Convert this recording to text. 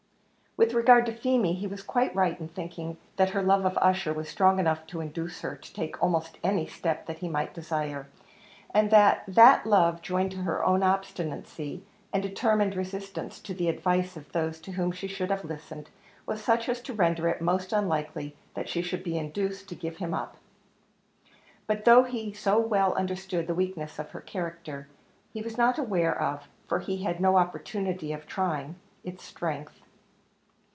With regard to Feemy, he was quite right in thinking that her love of Ussher was strong enough to induce her to take almost any step that he might desire; and that that love, joined to her own obstinacy and determined resistance to the advice of those to whom she should have listened, was such as to render it most unlikely that she should be induced to give him up; but though he so well understood the weakness of her character, he was not aware of, for he had had no opportunity of trying, its strength.